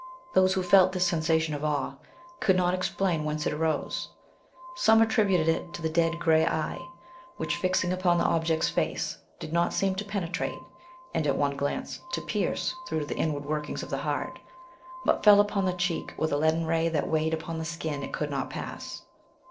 Those who felt this sensation of awe, could not explain whence it arose: some attributed it to the dead grey eye, which, fixing upon the object's face, did not seem to penetrate, and at one glance to pierce through to the inward workings of the heart; but fell upon the cheek with a leaden ray that weighed upon the skin it could not pass.